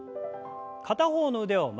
片方の腕を前に。